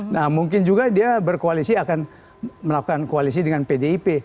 nah mungkin juga dia berkoalisi akan melakukan koalisi dengan pdip